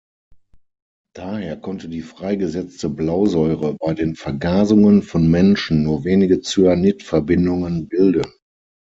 Daher konnte die freigesetzte Blausäure bei den Vergasungen von Menschen nur wenige Cyanid-Verbindungen bilden.